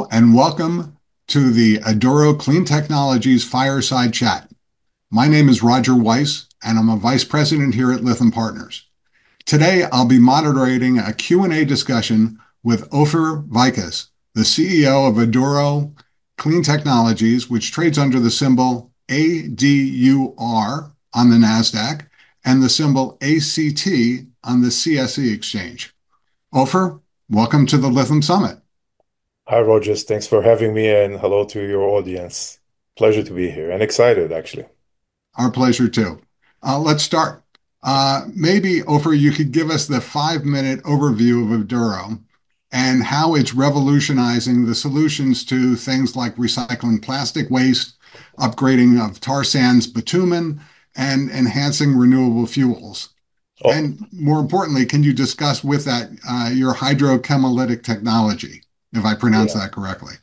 Hello, and welcome to the Aduro Clean Technologies Fireside Chat. My name is Roger Weiss, and I'm a Vice President here at Lytham Partners. Today, I'll be moderating a Q&A discussion with Ofer Vicus, the CEO of Aduro Clean Technologies, which trades under the symbol ADUR on the Nasdaq and the symbol ACT on the CSE. Ofer, welcome to the Lytham Summit. Hi, Roger. Thanks for having me, and hello to your audience. Pleasure to be here, and excited actually. Our pleasure too. Let's start. Maybe, Ofer, you could give us the five-minute overview of Aduro and how it's revolutionizing the solutions to things like recycling plastic waste, upgrading of tar sands bitumen, and enhancing renewable fuels. Oh- More importantly, can you discuss with that, your Hydrochemolytic Technology, if I pronounce that correctly?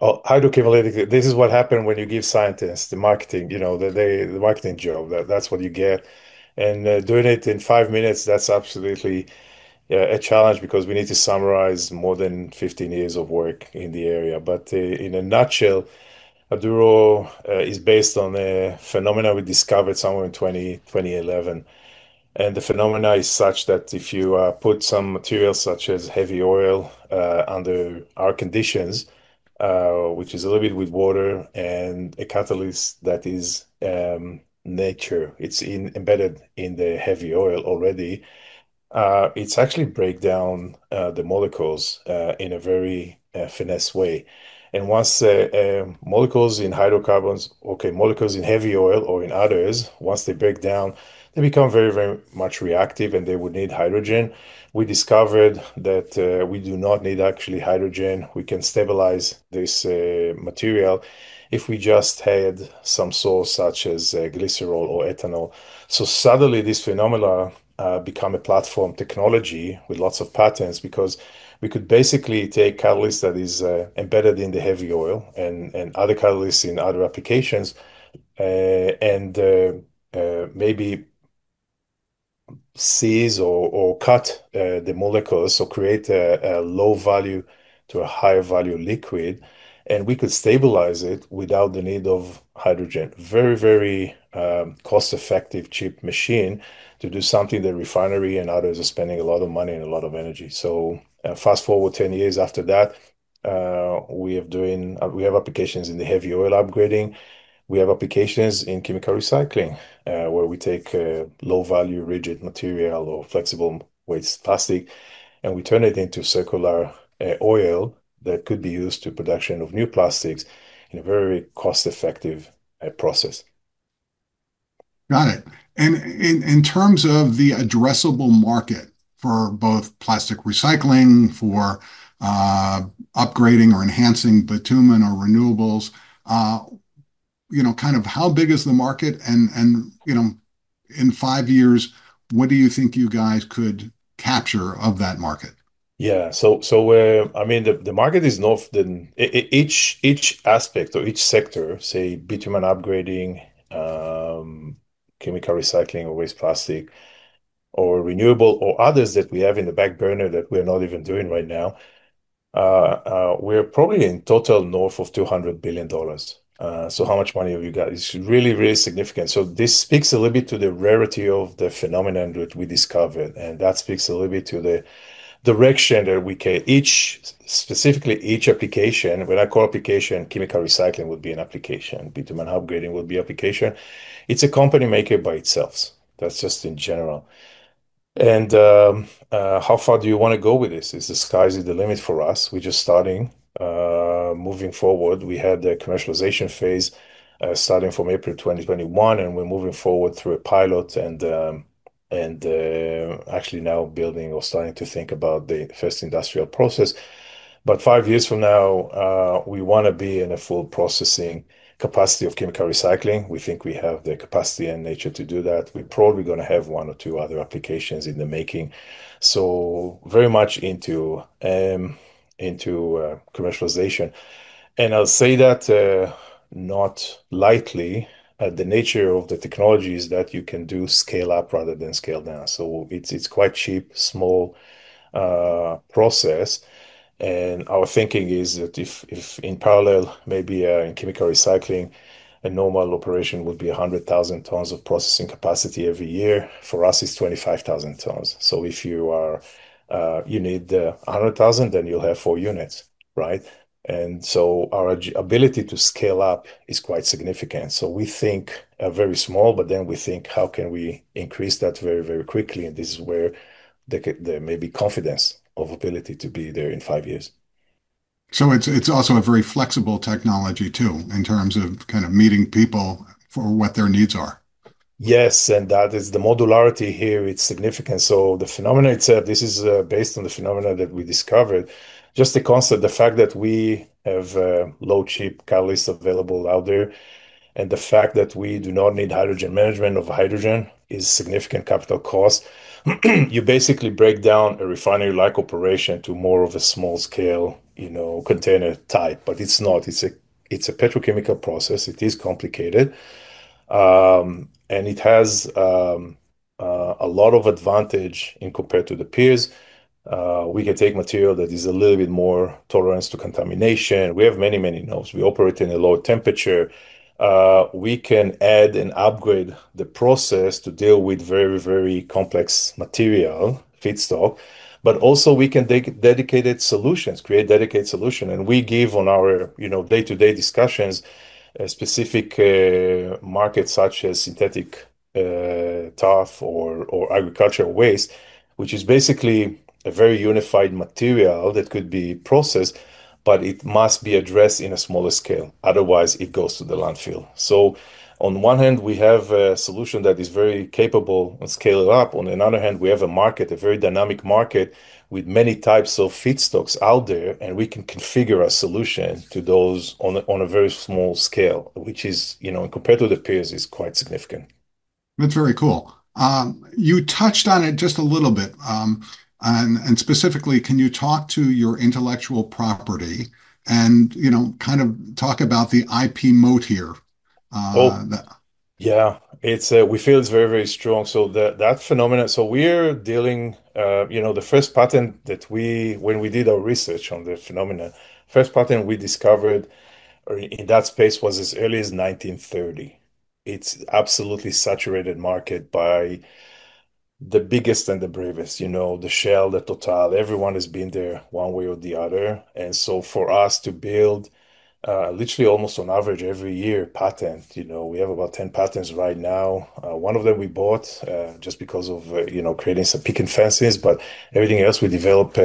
Oh, Hydrochemolytic, this is what happen when you give scientists the marketing, you know, the marketing job. That's what you get, doing it in five minutes, that's absolutely a challenge because we need to summarize more than 15 years of work in the area. In a nutshell, Aduro is based on a phenomena we discovered somewhere in 2011. The phenomena is such that if you put some materials such as heavy oil under our conditions, which is a little bit with water and a catalyst that is nature, it's in embedded in the heavy oil already, it's actually break down the molecules in a very finesse way. Molecules in heavy oil or in others, once they break down, they become very much reactive, and they would need hydrogen. We discovered that we do not need actually hydrogen. We can stabilize this material if we just had some source such as glycerol or ethanol. Suddenly this phenomena become a platform technology with lots of patents because we could basically take catalyst that is embedded in the heavy oil and other catalysts in other applications and maybe seize or cut the molecules or create a low value to a higher value liquid, and we could stabilize it without the need of hydrogen. Very cost-effective, cheap machine to do something the refinery and others are spending a lot of money and a lot of energy. Fast-forward 10 years after that, we have applications in the heavy oil upgrading. We have applications in chemical recycling, where we take low value rigid material or flexible waste plastic, and we turn it into circular oil that could be used to production of new plastics in a very cost-effective process. Got it. In terms of the addressable market for both plastic recycling, for upgrading or enhancing bitumen or renewables, you know, kind of how big is the market, and you know, in five years, what do you think you guys could capture of that market? I mean, the market is north of each aspect or each sector, say, bitumen upgrading, chemical recycling or waste plastic or renewable or others that we have in the back burner that we're not even doing right now, we're probably in total north of $200 billion. How much money have you got? It's really, really significant. This speaks a little bit to the rarity of the phenomenon which we discovered, and that speaks a little bit to the direction that each, specifically each application. When I call application, chemical recycling would be an application. Bitumen upgrading would be application. It's a company maker by itself. That's just in general. How far do you wanna go with this? Is the sky the limit for us? We're just starting. Moving forward, we had the commercialization phase starting from April 2021, and we're moving forward through a pilot and actually now building or starting to think about the first industrial process. Five years from now, we wanna be in a full processing capacity of chemical recycling. We think we have the capacity and nature to do that. We're probably gonna have one or two other applications in the making. Very much into commercialization. I'll say that not lightly, the nature of the technology is that you can do scale up rather than scale down. It's quite cheap, small process. Our thinking is that if in parallel, maybe, in chemical recycling, a normal operation would be 100,000 tons of processing capacity every year. For us, it's 25,000 tons. If you need 100,000, then you'll have four units, right? Our ability to scale up is quite significant. We think very small, but then we think how can we increase that very, very quickly, and this is where there may be confidence of ability to be there in five years. It's also a very flexible technology too in terms of kind of meeting people for what their needs are. Yes, that is the modularity here, it's significant. The phenomena itself is based on the phenomena that we discovered. Just the concept, the fact that we have low cheap catalyst available out there and the fact that we do not need hydrogen management of hydrogen is significant capital cost. You basically break down a refinery-like operation to more of a small scale, you know, container type, but it's not. It's a petrochemical process. It is complicated. It has a lot of advantage compared to the peers. We can take material that is a little bit more tolerant to contamination. We have many nodes. We operate in a lower temperature. We can add and upgrade the process to deal with very complex material feedstock, but also we can take dedicated solutions, create dedicated solution. We give on our, you know, day-to-day discussions, a specific market such as synthetic turf or agricultural waste, which is basically a very unified material that could be processed, but it must be addressed in a smaller scale, otherwise it goes to the landfill. On one hand we have a solution that is very capable and scale it up. On the other hand, we have a market, a very dynamic market with many types of feedstocks out there, and we can configure a solution to those on a very small scale, which is, you know, competitive peers is quite significant. That's very cool. You touched on it just a little bit, and specifically can you talk to your intellectual property and, you know, kind of talk about the IP moat here? Oh. The- Yeah. We feel it's very, very strong. That phenomenon. We're dealing, you know, when we did our research on the phenomenon, first patent we discovered or in that space was as early as 1930. It's absolutely saturated market by the biggest and the bravest, you know, the Shell, the Total, everyone has been there one way or the other. For us to build literally almost on average every year patent, you know. We have about 10 patents right now. One of them we bought just because of, you know, creating some picket fences, but everything else we develop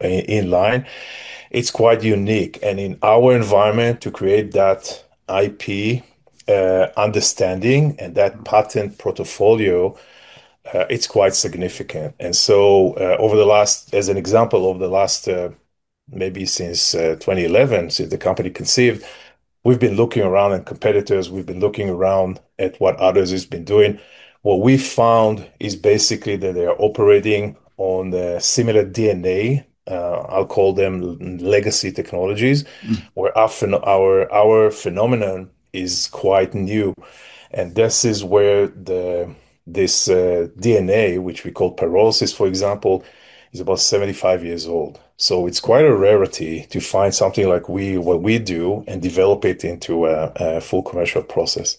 in line. It's quite unique and in our environment to create that IP, understanding and that patent portfolio, it's quite significant. Over the last, as an example, maybe since 2011, since the company conceived, we've been looking around at competitors, we've been looking around at what others has been doing. What we found is basically that they are operating on the similar DNA, I'll call them legacy technologies. Mm. Where often our phenomenon is quite new, and this is where this DNA, which we call pyrolysis, for example, is about 75 years old. So it's quite a rarity to find something like what we do and develop it into a full commercial process.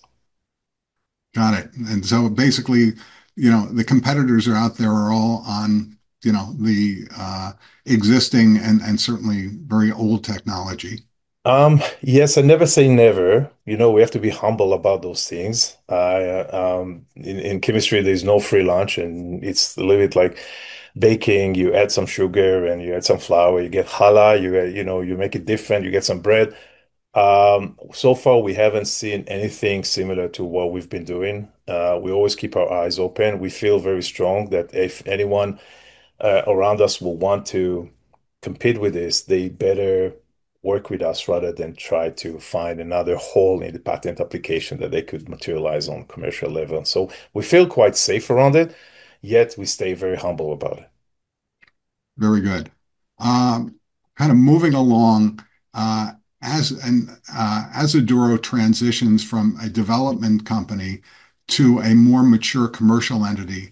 Got it. Basically, you know, the competitors are out there are all on, you know, the existing and certainly very old technology. Yes, and never say never. You know, we have to be humble about those things. In chemistry there's no free lunch and it's a little bit like baking. You add some sugar and you add some flour, you get challah. You add, you know, you make it different, you get some bread. So far we haven't seen anything similar to what we've been doing. We always keep our eyes open. We feel very strong that if anyone around us will want to compete with this, they better work with us rather than try to find another hole in the patent application that they could materialize on commercial level. We feel quite safe around it, yet we stay very humble about it. Very good. Kind of moving along, as Aduro transitions from a development company to a more mature commercial entity,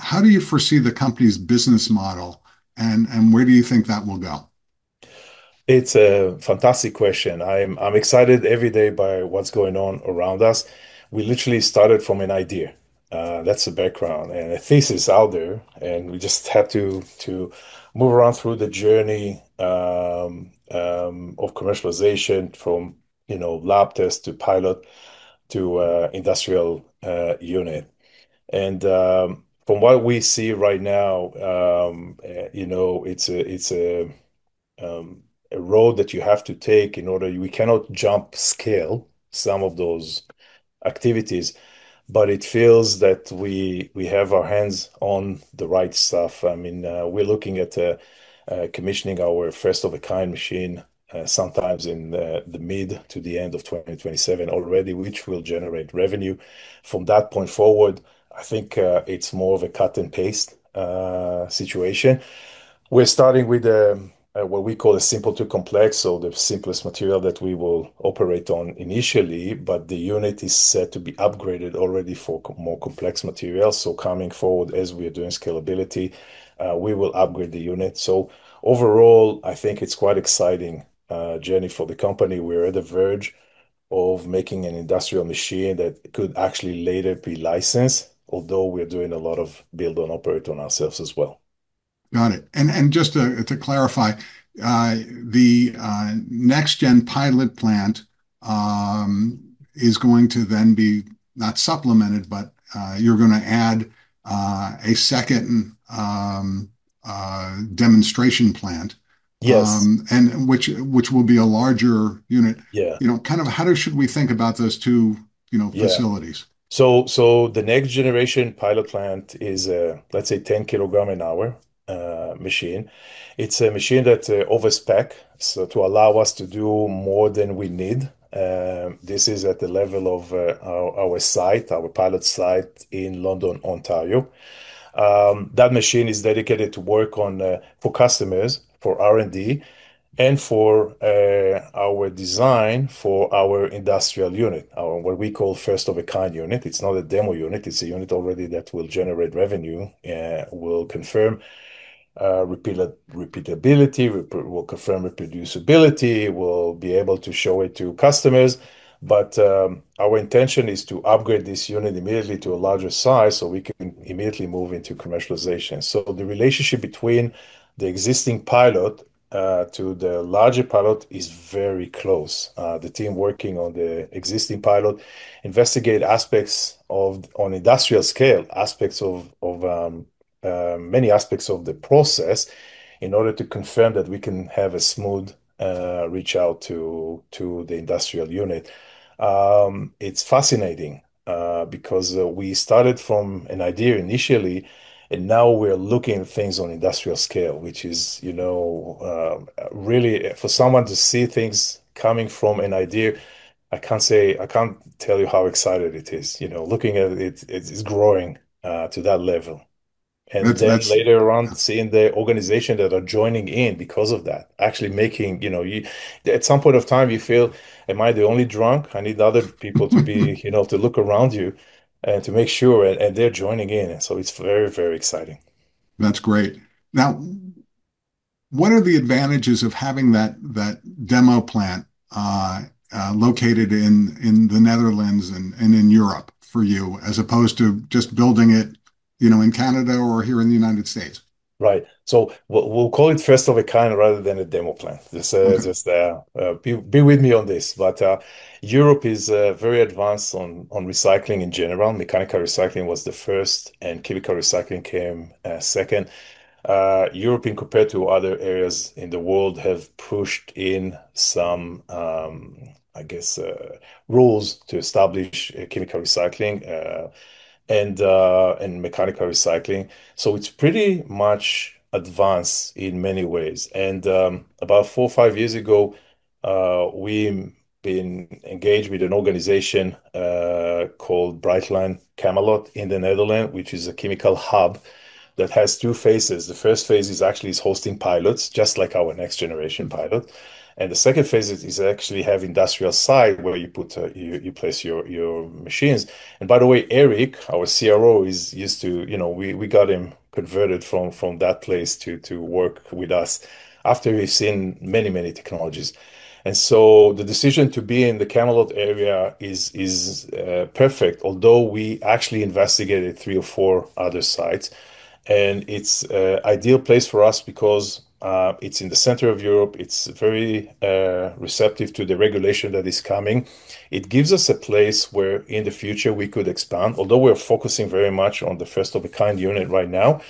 how do you foresee the company's business model and where do you think that will go? It's a fantastic question. I'm excited every day by what's going on around us. We literally started from an idea, that's the background and a thesis out there, and we just had to to move around through the journey of commercialization from, you know, lab test to pilot to, industrial, unit. From what we see right now, you know, it's a, it's, a road that you have to take in order. We cannot jump scale some of those activities, but it feels that we have our hands on the right stuff. I mean, we're looking at, commissioning our first-of-a-kind machine, sometimes in the mid- to end of 2027 already, which will generate revenue. From that point forward, I think, it's more of a cut and paste situation. We're starting with what we call a simple to complex, so the simplest material that we will operate on initially, but the unit is set to be upgraded already for more complex materials. Coming forward as we are doing scalability, we will upgrade the unit. Overall, I think it's quite exciting journey for the company. We're at the verge of making an industrial machine that could actually later be licensed, although we're doing a lot of build and operate on ourselves as well. Got it. Just to clarify, the next gen pilot plant is going to then be not supplemented, but you're gonna add a second demonstration plant. Yes. Which will be a larger unit. Yeah. You know, should we think about those two, you know? Yeah. Facilities? The next generation pilot plant is, let's say, a 10 kg an hour machine. It's a machine that overspec so to allow us to do more than we need. This is at the level of our site, our pilot site in London, Ontario. That machine is dedicated to work on for customers, for R&D, and for our design for our industrial unit, what we call first of a kind unit. It's not a demo unit, it's a unit already that will generate revenue, will confirm reproducibility, we'll be able to show it to customers. Our intention is to upgrade this unit immediately to a larger size so we can immediately move into commercialization. The relationship between the existing pilot to the larger pilot is very close. The team working on the existing pilot investigate aspects on industrial scale, many aspects of the process in order to confirm that we can have a smooth reach out to the industrial unit. It's fascinating because we started from an idea initially, and now we're looking at things on industrial scale, which is, you know, really for someone to see things coming from an idea. I can't tell you how excited it is. You know, looking at it's growing to that level. That's. Then later on, seeing the organization that are joining in because of that, actually making. You know, you at some point of time you feel, "Am I the only drunk? I need other people to be" you know, to look around you, to make sure, and they're joining in. It's very, very exciting. That's great. Now, what are the advantages of having that demo plant located in the Netherlands and in Europe for you as opposed to just building it, you know, in Canada or here in the United States? Right. We'll call it first-of-a-kind rather than a demo plant. Okay. Bear with me on this. Europe is very advanced on recycling in general. Mechanical recycling was the first, and chemical recycling came second. Europe compared to other areas in the world have pushed in some, I guess, rules to establish chemical recycling, and mechanical recycling. It's pretty much advanced in many ways. About four or five years ago, we've been engaged with an organization called Brightlands Chemelot Campus in the Netherlands, which is a chemical hub that has two phases. The first phase is hosting pilots, just like our next generation pilot. The second phase is actually an industrial site where you place your machines. By the way, Eric, our CRO, is used to, you know, we got him converted from that place to work with us after we've seen many technologies. The decision to be in the Chemelot area is perfect, although we actually investigated three or four other sites. It's ideal place for us because it's in the center of Europe, it's very receptive to the regulation that is coming. It gives us a place where in the future we could expand. Although we're focusing very much on the first-of-a-kind unit right now,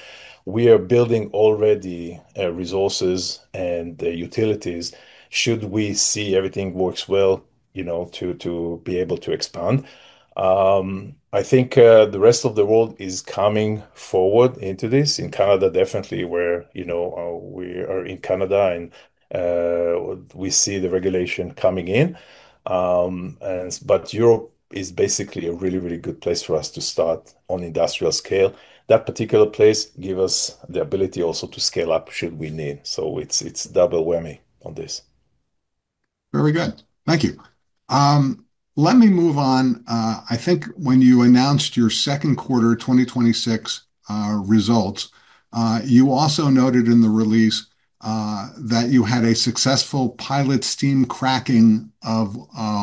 we are building already resources and the utilities should we see everything works well, you know, to be able to expand. I think the rest of the world is coming forward into this. In Canada definitely where, you know, we are in Canada and we see the regulation coming in. Europe is basically a really, really good place for us to start on industrial scale. That particular place give us the ability also to scale up should we need. It's double whammy on this. Very good. Thank you. Let me move on. I think when you announced your second quarter 2026 results, you also noted in the release that you had a successful pilot steam cracking of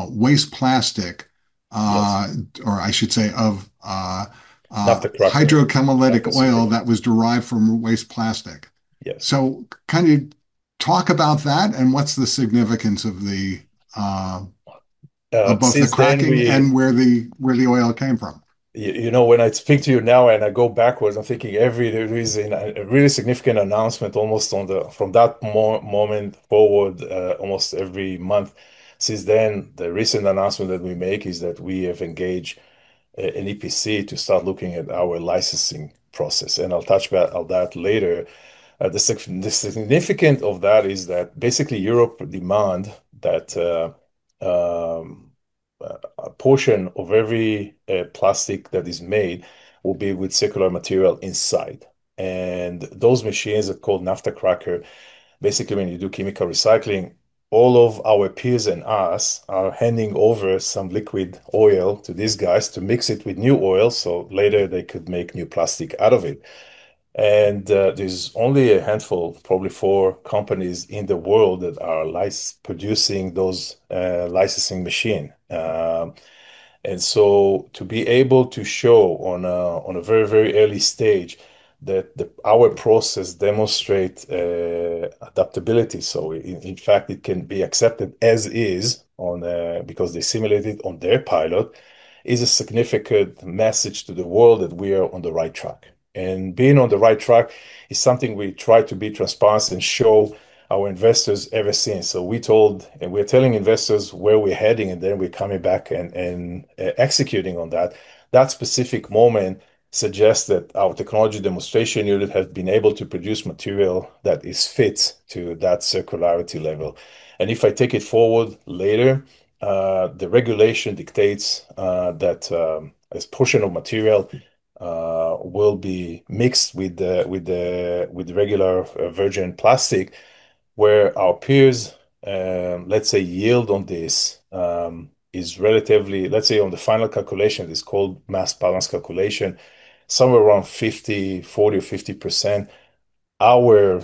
waste plastic. Yes. Uh, or I should say of, uh- Naphtha cracker. Hydrochemolytic oil that was derived from waste plastic. Yes. Can you talk about that and what's the significance of both the cracking. Since then we- Where the oil came from? You know, when I speak to you now and I go backwards, I'm thinking everywhere there is a really significant announcement almost from that moment forward, almost every month since then. The recent announcement that we make is that we have engaged an EPC to start looking at our licensing process, and I'll touch about all that later. The significance of that is that basically Europe demands that a portion of every plastic that is made will be with circular material inside. Those machines are called naphtha cracker. Basically, when you do chemical recycling, all of our peers and us are handing over some liquid oil to these guys to mix it with new oil, so later they could make new plastic out of it. There's only a handful, probably four companies in the world that are producing those licensing machine. To be able to show on a very early stage that our process demonstrate adaptability, so in fact it can be accepted as is on because they simulate it on their pilot, is a significant message to the world that we are on the right track. Being on the right track is something we try to be transparent and show our investors ever since. We told, and we're telling investors where we're heading, and then we're coming back and executing on that. That specific moment suggests that our technology demonstration unit has been able to produce material that is fit to that circularity level. If I take it forward later, the regulation dictates that a portion of material will be mixed with the regular virgin plastic where our peers, let's say yield on this, is relatively. Let's say on the final calculation, it's called mass balance calculation, somewhere around 50%, 40% or 50%, our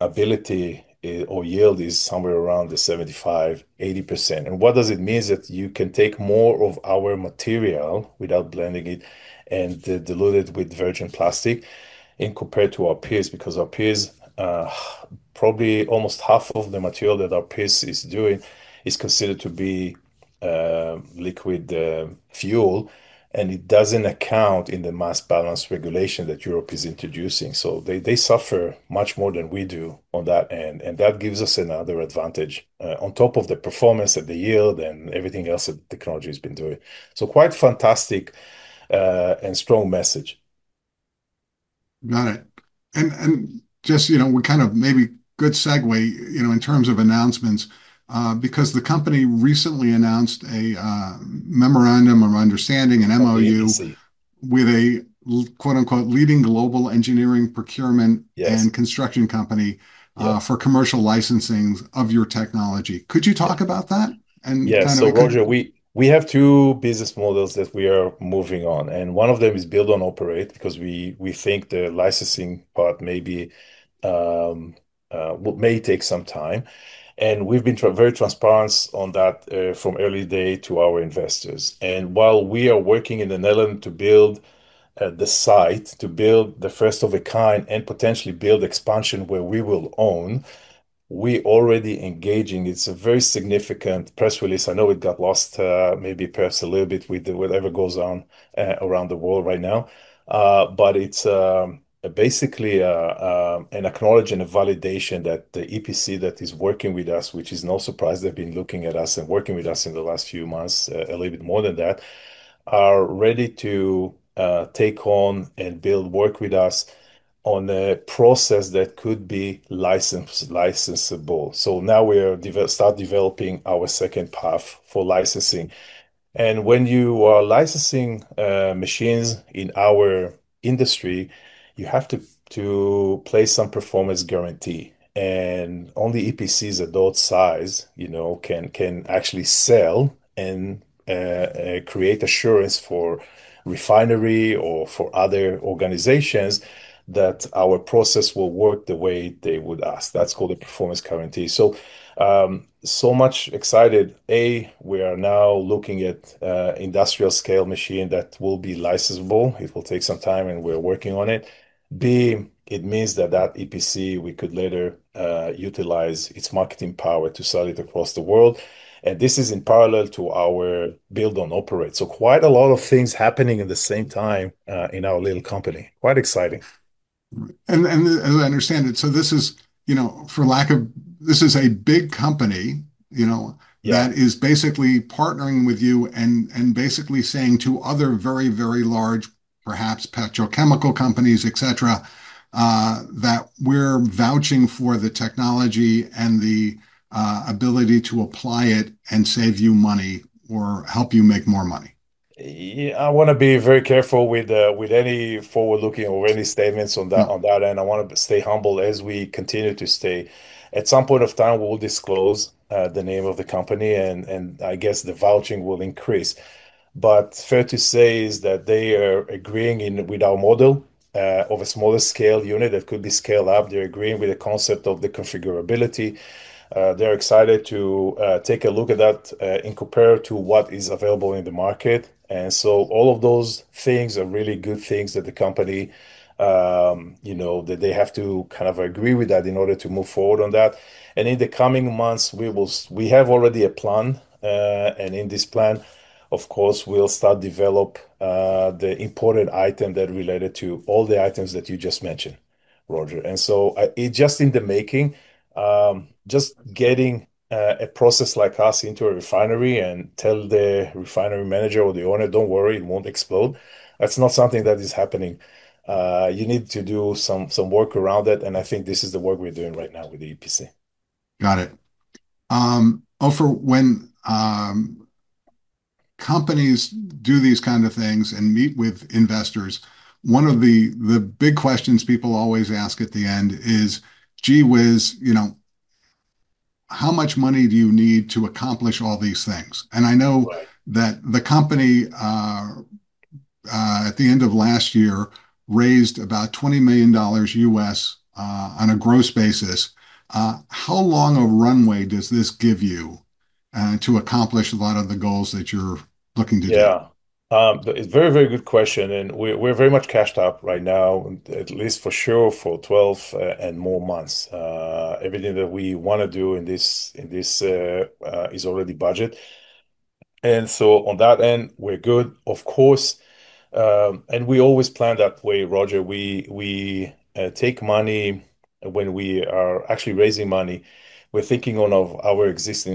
ability or yield is somewhere around the 75%-80%. What does it mean? That you can take more of our material without blending it and dilute it with virgin plastic compared to our peers, because our peers probably almost half of the material that our peers is doing is considered to be liquid fuel and it doesn't account in the mass balance regulation that Europe is introducing. They suffer much more than we do on that end, and that gives us another advantage, on top of the performance of the yield and everything else that the technology has been doing. Quite fantastic, and strong message. Got it. Just, you know, we kind of maybe good segue, you know, in terms of announcements, because the company recently announced a memorandum of understanding, an MOU. An EPC. With a “leading global engineering procurement.” Yes. And construction company. Yeah. For commercial licensing of your technology. Could you talk about that and kind of? Yeah. Roger, we have two business models that we are moving on, and one of them is build on operate because we think the licensing part may be, well, may take some time, and we've been very transparent on that, from early day to our investors. While we are working in the Netherlands to build the site, to build the first of a kind and potentially build expansion where we will own, we already engaging. It's a very significant press release. I know it got lost, maybe perhaps a little bit with the whatever goes on around the world right now. It's basically an acknowledgement and a validation that the EPC that is working with us, which is no surprise, they've been looking at us and working with us in the last few months, a little bit more than that, are ready to take on and build, work with us on a process that could be licensable. Now we're developing our second path for licensing. When you are licensing machines in our industry, you have to place some performance guarantee, and only EPCs of that size, you know, can actually sell and create assurance for refineries or for other organizations that our process will work the way they would ask. That's called a performance guarantee. We are so excited. We are now looking at an industrial-scale machine that will be licensable. It will take some time, and we're working on it. It means that EPC we could later utilize its marketing power to sell it across the world, and this is in parallel to our build-own-operate. Quite a lot of things happening at the same time in our little company. Quite exciting. As I understand it, this is a big company, you know. Yeah. That is basically partnering with you and basically saying to other very, very large, perhaps petrochemical companies, et cetera, that we're vouching for the technology and the ability to apply it and save you money or help you make more money. Yeah. I wanna be very careful with any forward-looking or any statements on that. Yeah. On that end. I wanna stay humble as we continue to stay. At some point of time we will disclose the name of the company and I guess the vouching will increase. Fair to say is that they are agreeing with our model of a smaller scale unit that could be scaled up. They're agreeing with the concept of the configurability. They're excited to take a look at that compared to what is available in the market. All of those things are really good things that the company you know that they have to kind of agree with that in order to move forward on that. We have already a plan, and in this plan, of course, we'll start develop the important item that related to all the items that you just mentioned, Roger. It just in the making, just getting a process like us into a refinery and tell the refinery manager or the owner, "Don't worry, it won't explode," that's not something that is happening. You need to do some work around it, and I think this is the work we're doing right now with the EPC. Got it. Ofer, when companies do these kind of things and meet with investors, one of the big questions people always ask at the end is, "Gee whiz, you know, how much money do you need to accomplish all these things?" I know- Right. That the company at the end of last year raised about $20 million on a gross basis. How long a runway does this give you to accomplish a lot of the goals that you're looking to do? Yeah. It's a very, very good question, and we're very much cashed up right now, at least for sure for 12 and more months. Everything that we wanna do in this is already budgeted. On that end we're good. Of course, we always plan that way, Roger. We take money when we are actually raising money, we're thinking of our existing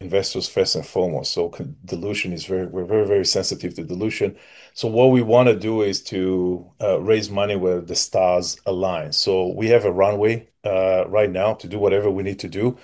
investors first and foremost. We're very, very sensitive to dilution. What we wanna do is to raise money where the stars align. We have a runway right now to do whatever we need to do,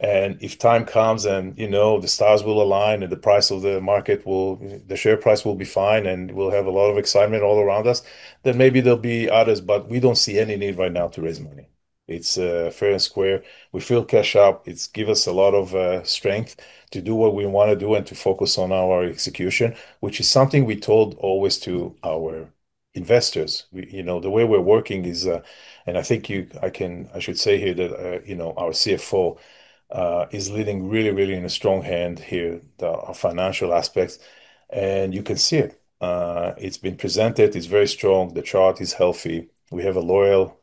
and if time comes and, you know, the stars will align and the price of the market will. The share price will be fine, and we'll have a lot of excitement all around us, then maybe there'll be others, but we don't see any need right now to raise money. It's fair and square. We feel cashed up. It gives us a lot of strength to do what we wanna do and to focus on our execution, which is something we told always to our investors. We, you know, the way we're working is, and I think I should say here that, you know, our CFO is leading really, really in a strong hand here, our financial aspects, and you can see it. It's been presented, it's very strong. The chart is healthy. We have a loyal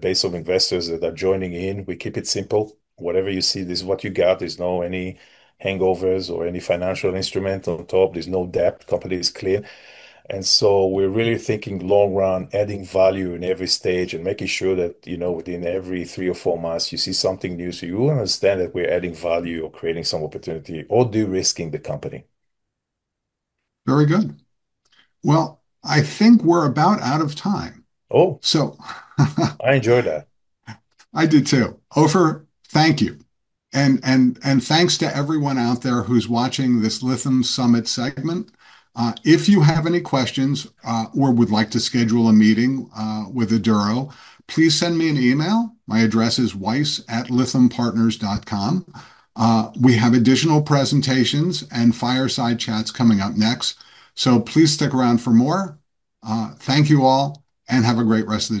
base of investors that are joining in. We keep it simple. Whatever you see, this is what you got. There's no any hangovers or any financial instrument on top. There's no debt. The company is clean. We're really thinking long run, adding value in every stage and making sure that, you know, within every three or four months you see something new, so you understand that we're adding value or creating some opportunity or de-risking the company. Very good. Well, I think we're about out of time. Oh. So -- I enjoyed that. I did too. Ofer, thank you. Thanks to everyone out there who's watching this Lytham Summit segment. If you have any questions or would like to schedule a meeting with Aduro, please send me an email. My address is weiss@lythampartners.com. We have additional presentations and fireside chats coming up next, so please stick around for more. Thank you all, and have a great rest of the day.